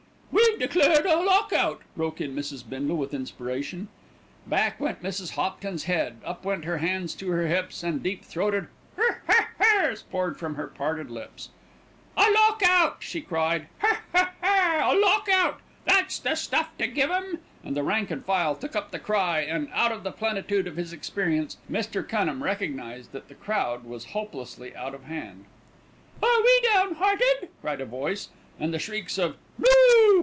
"We've declared a lock out," broke in Mrs. Bindle with inspiration. Back went Mrs. Hopton's head, up went her hands to her hips, and deep throated "Her her her's" poured from her parted lips. "A lock out!" she cried. "Her her her, a lock out! That's the stuff to give 'em!" and the rank and file took up the cry and, out of the plenitude of his experience, Mr. Cunham recognised that the crowd was hopelessly out of hand. "Are we down hearted?" cried a voice, and the shrieks of "No!"